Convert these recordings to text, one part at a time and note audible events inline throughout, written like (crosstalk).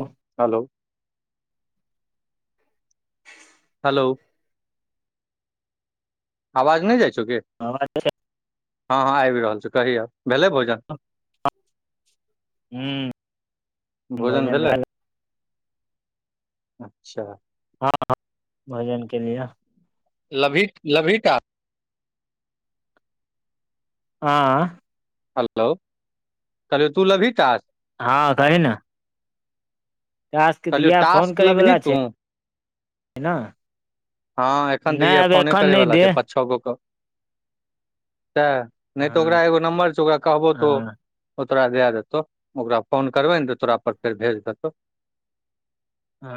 ह hello. Hello, आवाज नहि जाइ छौ कि ह (unintelligible) ह ह आबि रहल छी। कहिय भेलै भोजन भोजन भेलै हँ भोजन के लिए। लभी लभीट। आ हेलो कहलियौ तू लभी कास। हँ कहहि ना कहलियौ दिया फोन टास्क करे लेबही वला तू छै ने हँ एखन नहि आब फोने एखन नहि करैवला दे छै। पाँच छओ गो के त हँ नहि तऽ ओकरा एगो नम्बर छै। ओकरा कहबो त हँ ओ तोरा दए देतौ ओकरा फोन करबै ने त तोरा पर फेर भेज देतौ। ह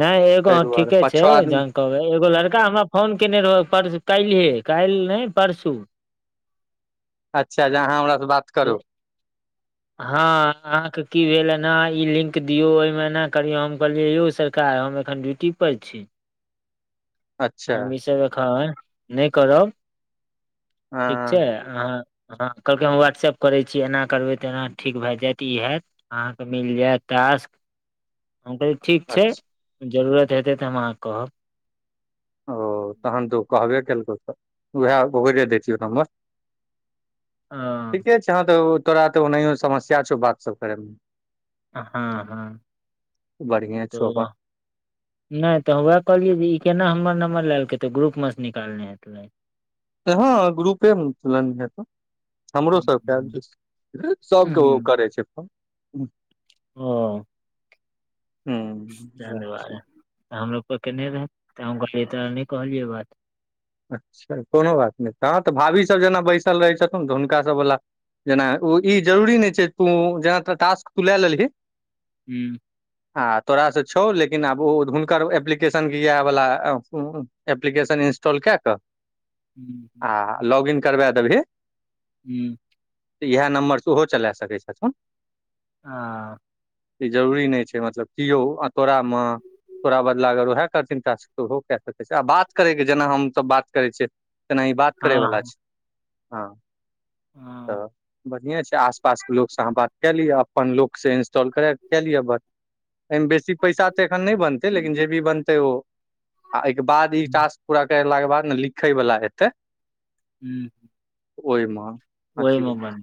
नहि एगो ताहि दुआरे ठीके पाँच छै। छओ आदमी कहबै एगो लड़का हमरा फोन केने रहौ। परस काल्हिहे काल्हि नहि परसू अच्छा अहाँ हमरासँ बात करू। हँ अहाँकेँ की भेल एना ई लिंक दियौ ओहिमे एना करियौ हम कहलियै यौ सरकार हम एखन ड्यूटी की कर छी। (inaudible) हम ई सभ ए नहि करब ठीक छै। हँ ह हँ कहलकै हम व्हाट्सऐप करै छी। एना करबै जेना ठीक भए जायत ई हयत अहाँके मिल जायत टास्क हम कह ठीक छै। अच्छा जरूरत हेतै तऽ हम अहाँ कहब ओ तहन तो कहबे केलको तऽ उएह ओरे दियौ नंबर हँ ठीके छै। हँ त तोरा तऽ ओनाहि समस्या छौ। बात सभ करयमे हँ हँ बढ़िए छौ अपन नहि तऽ ओएह कहलियै जे ई केना हमर नम्बर लेलकै त ग्रुप मेसँ निकालने हेतै। हँ ग्रुपे चलन हे त हमरो सभके आ हूँ जे सभके ओ करै छै। फोन ओ हूँ धन्यवाद तऽ हमरोप केने रहत तऽ हम कहलियै तो नहि कहलियै बात अच्छा कोनो बात नहि त तऽ भाभीसभ जेना बैसल रहै छथिथन। तऽ हुनकासभवला जेना ओ ई जरुरी नहि छै। तू जेना टास्क तू लए लेलही। हू आ तोराास से छौ। लेकिन आब ओ हुनकर एप्लीकेशन के इएह वाला एप्लीकेशन इंस्टॉल कए क हूँ हूँ आ लॉग इन करबा देबही हू। तऽ इएह नम्बरसँ ओहो चला सकै छथिन। आ। ई जरूरी नहि छै। मतलब किओ आ तोरामे तोरा बदला अगरा ओहे करथिन टास्क त ओहो काय सकै छै आ बात करे हम तऽ बात करै छियै एनाहि बात करै बला हँ छै हँ हँ तऽ बढ़िए छै आस पास के लोक सँ अहाँ बात कए लिअ अपन लोक स। इंस्टॉल करै कए लिअ बात एय मे बेसी पैसा तैसा नहि बनतै लेकिन जे भी बनतै ओ आ एहिके बाद ई हूँ टास्क। पूरा केलाक के बाद ने लिखै बला हेतै। हू। ओय मे अथी हते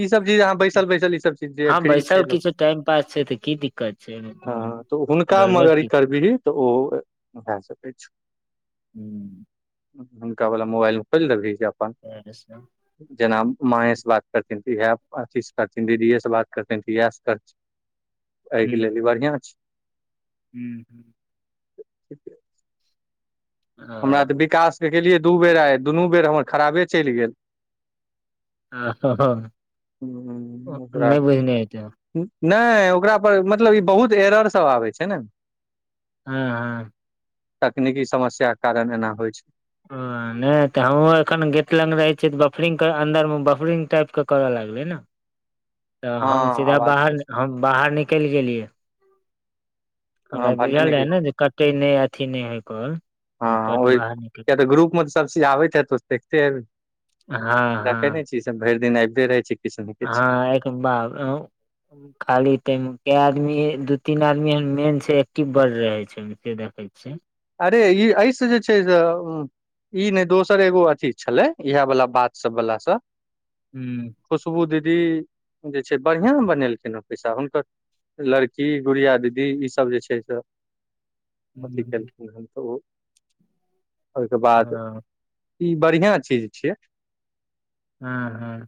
ई सभ चीज अहाँ बैसल बैसल ई सभ चीज जहिया हँ फ्री बैसल छियै किछु टाइम पास छै तऽ की दिक्कत छै एहिमे कोनो हँ तऽ हुनका मे गड़बड़ अगर ई की छै करबिही तऽ ओ भए सकैत छो। हू हुनका वला मोबाइल मे खोइल देबही अपन (unintelligible) जेना माए से बात करथिन त इएह अथी से करथिन दीदी से बात करथिन त इएह से करथीन अय के लेल ई बढ़िआ छै हूँ हमरा त विकास के केलियै दू बेर आइ दुनू बेर हमर खराबे चलि गेल आह ओ हूं ओकरा नहि बुझने हेते नहि ओकरा पर मतलब ई बहुत एर सभ आबै छै ने हँ हँ तकनीकी समस्या के कारण एना होइ छै ह नहि तऽ हमहूँ एखन गेट लग रहै छियै तऽ बफरिंग के अंन्दर मे बफरिंग टाइप क करऽ लगलै ने तऽ हँ हम सीधा आवाज बाहर हम बाहर निकलि गेलियै। हमरा हँ ई भन्ने बुझल नहि कहि रहे ने जे कटे नहि अथी नहि होय कॉल। हम हँ ओ पट बाहर निकल किया तऽ ग्रुप मे तऽ सभ चीज आबैत हैतो देखते हेबही। हँ। हँ दखे नहि छी ई सभ भरि दिन आबिते रहै छै किछु ने किछु हँ एक (unintelligible) खाली तय मे काय आदमी दू तीन आदमी एहन मेन छै एक्टिव बर रहे छै अय मे से दख (unintelligible) अरे ई अय सँ जे छै से ई नहि दोसर एगो अथी छलै इएह वाला बात सभ वला से हू। खुशबू दीदी जे छै बढ़िआ बनेलखिन हेँ पैसा हुनकर लड़की गुड़िया दीदी ई सभ जे छै से अथी केलखिन हेँ त ओ ओहिके बाद हँ ई बढ़िया चीज छियै। ह ह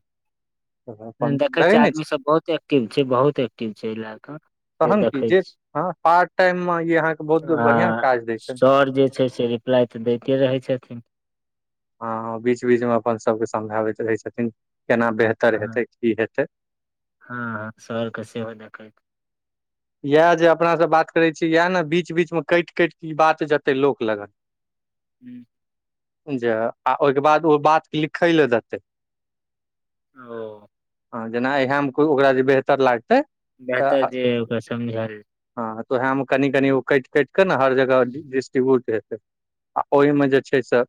अपन देखै रहै छियै नहि छै आदमी सभ बहुत एक्टिव छै बहुत एक्टिव छै एहि लए क तखन की जे ह पार्ट टाइम मे ई अहाँकेँ बहुत बढ़िआ आ काज दै छै न सर जे छै से रिप्लाइ तऽ दैते रहै छथिन ह बीच बीच मे अपन सभके समझाबैत रहै छथिन केना बेहतर हँ हेतै की हेतै हँ हँ सर के सेहो देखएत इएह जे अपना से बात करे छी इएह ने बीच बीच में कटि कटि के बात जेते लोक लगन (inaudible) हूँ जे आ ओहिके बाद ओ बात लिखै लए देतै ओ हँ जेना इएह मे को ओकरा जे बेहतर लागतै बेहतर तऽ जे ओकरा समझायल हँ तऽ उएह मे कनि कनि ओ कटि कटिकऽ ने हर जगह हूं हेतै आ ओहिमे जे छै से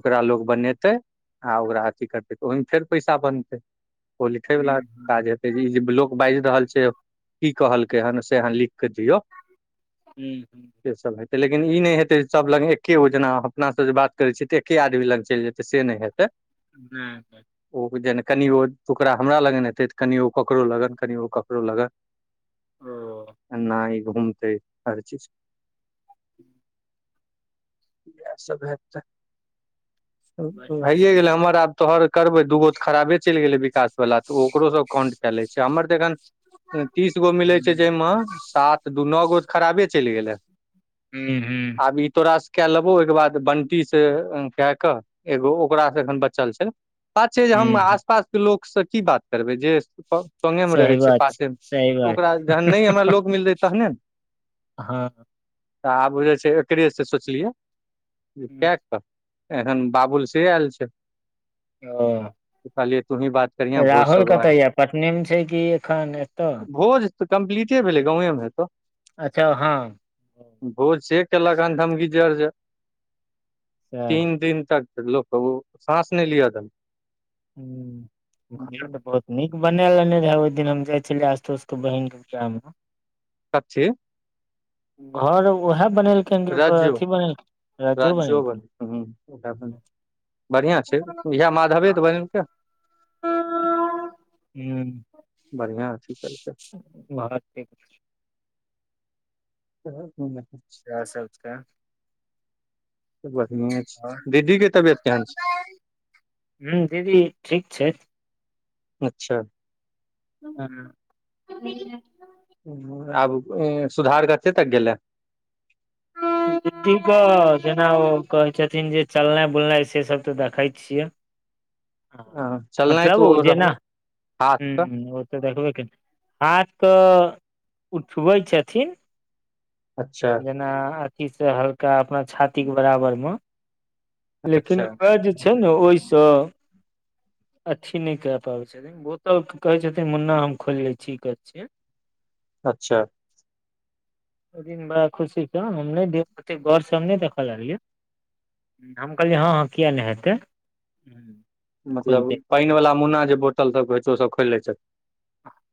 ओकरा लोग बनेतै आ ओकरा अथी करतै तऽ ओहिमे फेर पैसा बनतै। ओ लिखय वला हूं हूं काज हेतै ई जे ब् लोक बाजि रहल छै। की कहलकै हन से अहाँ लिखके दियऔ हू हू से सभ हेतै लेकिन ई नहि हेतै जे सभ लग एकेगो जेना अपनासँ जे बात करै छियै तऽ एके आदमी लग चलि जेतै से नहि हेतै (unintelligible) (unintelligible) ओ जेना कनि ओ करा हमरा लगन हेते तऽ कनि ओ ककरो लगन कनि ओ ककरो लगन ओ नहि घूमते हर चीज इएहसभ हैतऽ बढ़िया हइयए गेलै छै हमर आब तोहर करबै दूगो तऽ खराबे चलि गेलै विकास वला तऽ ओकरो सब कंड च ल छै हमर तऽन तीस गो मिलै छै हूँ जाहिमे सात दू नओ गो तऽ खराबे चलि गेलै हू हू आब ई तोरासँ कए लेबौ ओहिके बाद बंटी सऽ कए कऽ एगो ओकास सऽ एखन बचल छै बात छै जे हम हूँ आसपास के लोक से की बात करबै जे सगे मे सही रहै छै बात पासे मे सही बात ओकरा जहन नहि हमरा लोक मिलतै तहने नऽ हँ तऽ आब जे छै एकरेसँ सोचलियै कए कऽ एहन बाबुल से आयल छै ओ कहलियै तू ही बात करीह भोज राहुल सबके कतऽ बारे यऽ पटने मे छै किी एखन एतय मे। भोज तऽ कम्प्लीटे भेलै गांवे मऽ हेतौ अच्छा हँ भोज से केलक अन धम गीजजर जे सैह तीन दिन तक लोकके ओ साँस नहि लिअ देलके हू घर तऽ बहुत नीक बना लेने रहे ओहि दिन हम जाइ छलियै आस्तोस के बहिनक के विहा मऽ कथि घर उएह बनेलखिन जे ओकर रज्जु अथी बनेलखिन राज्यो बनेलखिन ह बढ़िआँ छै इएह माधवे तऽ बनेलके हन ह बढ़िआँ अथी केलकै बात ठ (unintelligible) (unintelligible) त बढ़िये और दीदी की तबियत केहैन छै हूँ दीदी ठीक छै अच्छा हू (unintelligible) आब सुधार कते तक गेले ी के जेना ओ कहै छथिन जे चलनाइ बुलनाइ से सब तऽ देखै छियै ह चलनाइ मतलब तऽ ओ जेना रहबै हाथ कऽ ह ओ तऽ देखबै क हाथ तऽ उठबै छथिन अच्छा अपना अथी सऽ हल्का अपना छाती के बराबर मे अच्छा लेकिन उएह जे छै नऽ ओहिसँ अथी नहि कहे पाबै छथिन बोतल क कहे छथिन मुन्ना हम खोलि ले छी कर छियै अच्छा ओ दिन बड़ा खुशी छै हम नय देख ओते गौरसँ हम नहि देखऽ लगलियै। हम कहलियै हँ हँ किया नहि हे हुँ। मतलब पानि वला मुन्ना जे बोतल सभ होइ छै ओसभ खोलि लैत छथि।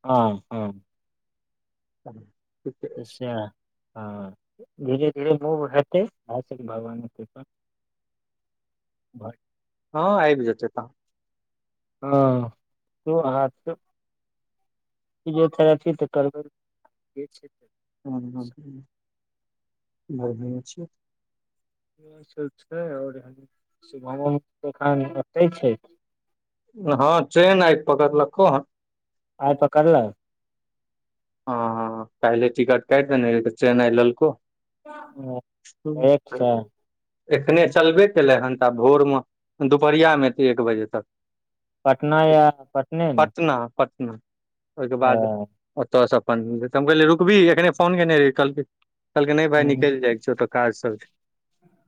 ह ह ह। त सह ह धीरे धीरे मूव हेतै आ भगवान कृपा बड़ हँ आबि जेतै त ह तू हाथ फिजियोथेरेपी त करबै ह ह बढिये अछि। इ सभ छै आओर शिवमो मम्मी एखन ओते छैथ। ह। ट्रेन आय पकड़लखो हन आइ पकड़ल कऽ हँ ह पहिले टिकट कइत देने रहिये त ट्रेन आय ललको अ, डायरेक्ट ह से एखने चलबे कलै हन तऽ आब भोरमे दुपहरिया मे त एक बजे तक पटना या पटने मे पटना पटना ओहि के अ, बाद ओतऽसँ अपन तऽ हम कहलियै रुकबही अखने फोन केने रहि कहलकै कहलकै नहि भाइ हूँ निकलि जाइ छौ त काज सभ छै।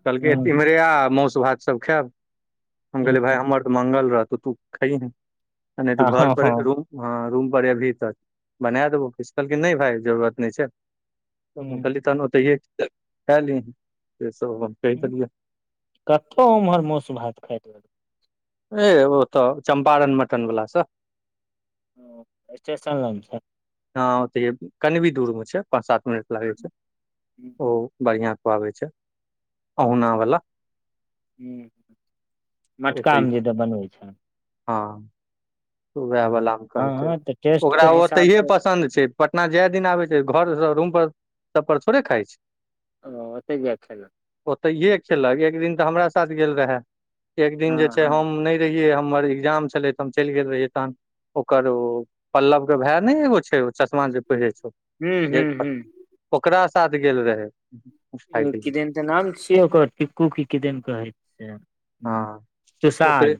कहलकै हूँ इम्हरे आ मौस भातसभ खायब। हम कहले भाय हूँ हमर त मंगल रहतो तू खाहि ने आ नय तू हँ घर हँ पर हँ रुम हँ रूम पर एबही त बना देबौ किछ कहलकिन नहि भाय जरूरत नहि अछि। तऽ हम हूँ कहलिए तहन ओतये खाई ले कतहु उमहर मौस भात खाइ ल ए ओ तऽ चंपारण मटन वला स ओ स्टेसन लग छै। हँ ओतये कन भी दूरमे छै पाँच सात मिनट लागै छै हूँ ओ बढ़िआ खुआबय अछि। ओ ह मटकामे जेदऽ बनबै छै ह तऽ ओएह हँ बलामे कहलकै हँ तऽ टेस्ट ओकरा के हिसाब ओतहिए से पसन्द छै पटना जाय दिन आबे छै घर रूम पर सभ पर थोड़े खाइ छै ओ ओतेक जाय क खेल कऽ ओतऽ इे खेलक एक दिन तऽ हमरा साथ गेल रहे एक दिन जे हँ छै हँ हम नहि रहियै हमर एग्जाम छले त हम चलि गेल। रही तहन ओकर पल्लव के भाय ने एगो छै चश्मा जे पहिरै हूँ छै हूँ ओकरा साथ गेल रहै खाय के लेल किदन त। नाम छियै ओकर टिकू की किदन कहै छै हँ ओकरे तुषार।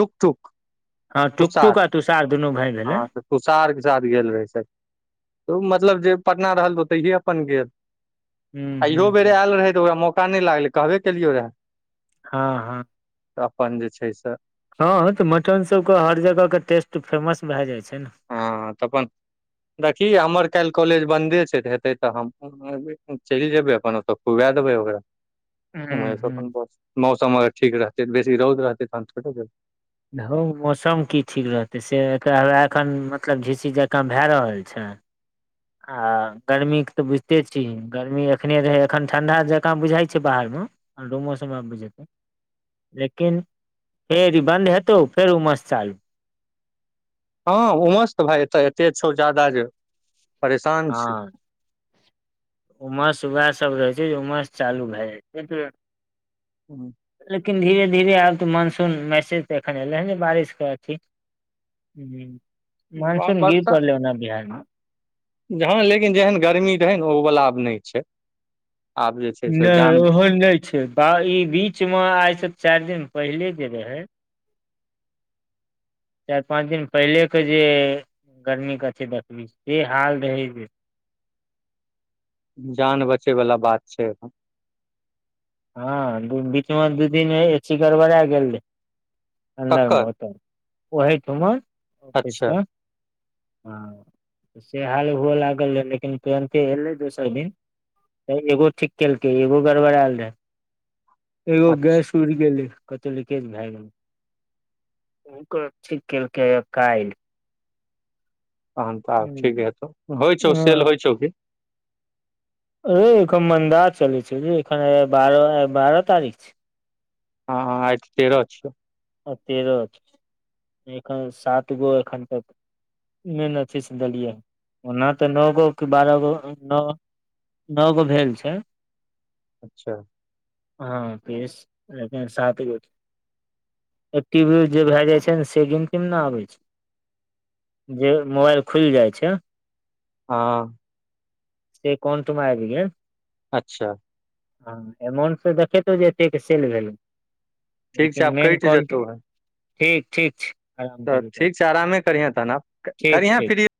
टुक टुक। ह। टुक टुक आ तुषार दुनू भय भेलै तुषारके साथ गेल रहै मतलब जे पटना रहल ओतहि अपन गेल। हूँ आ इयहो बेर हूँ आयल रहै ओकरा मौका नहि लागलै कहबे केलियौ रहए। ह ह तऽ अपन जे छै से। ह तऽ मटनसभके हर जगहके टेस्ट फेमस भए जाइ छै ने ह तऽ अपन देखी हमर काल्हि कॉलेज बन्दे छै तऽ हेतै तऽ हम चलि जेबै अपन ओत खुआ देबै ओकरा उम्हरे हूँ से अपन हूँ बस मौसम अगर ठीक रहतै बेसी रौद रहतै तहन थोरे जेबय। हौ मौसम कि ठीक रहतै से ह एखन मतलब झीसी जकाँ भए रहल छै। आ गर्मी के तऽ बुझिते छिय गर्मी एखने रहै एखन ठंडा जकाँ बुझाइ छै बाहरमे आडूमौसम आबी जेतै लेकिन फेर ई बन्द हेतौ फेर उम्हर मस चालू हँ उमस तऽ भाय एतऽ एते छौ जदाा जे परेशान हँ छी उमस उएह सभ रहै छै जे उमस चालू भए जाइ छै ह। लेकिन धीरे धीरे आब तऽ मानसूनसे तऽ एखन एले हन जे बारिश के अथि मनसून गीर बर्षा परले ओ ने बिहारमे हँ लेकिन जेहन गर्मी रहै ने ओ वला आब नहि छै। आब जे छै से नहि जान ओहो नहि छै ई बीच मे आइ से चारि दिन पहिले जे रहे (inaudible) चारि पाँच दिन पहिले के जे गर्मी कथी देखबी से हाल रहै जे जान बचे वाला बात छै ह बीच मे दू दिन ह ची गड़बड़ा गेल रहै अन्दरमे ककर ओत ओहिठमर अच्छा ऑफिसके हँ स हाल हुअ लागल रहै लेकिन तुरन्ते एलै दोसर दिन एगो ठीक कयेलकै एगो गड़बड़एल रहै एगो अच्छा गैस उड़ि गेलै कतहु लीकेज भऽ गेल हुनक चेलक कइल। तहन त आब ठीक हँ हेतौ होइ छौ सेल होइ छौ की मन्दाज चलै छै ए बारह बारह तारीख छै हँँ आइ आइ तेर अ छिय आ तेरह एन सात गो एखन त मेन अथी से देलियै ओना तऽ नओ गो क बारह गो नओ नओ गो भेल छै। अच्छा। हँ पस सााते एक्टिव जे भय जाय छै ने से गिनती म ने आबे छै जे मोबाइल खुलि जाइ छै। ह से कोन तुमारबी। अच्छा। हँ एमाउटसँ देखहु जे एक सेल भेलै लेकिन मेन काउंट जतो है ठीक ठीक छै आराम त करू तऽ ठीक छै आरा मे करिहे तहन आब ठीक करिहे ठीक फ्री